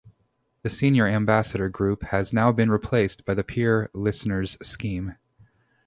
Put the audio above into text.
The Senior Ambassadors group has now been replaced by the Peer Listeners' scheme.